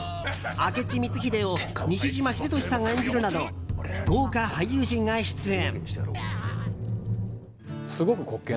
明智光秀を西島秀俊さんが演じるなど豪華俳優陣が出演。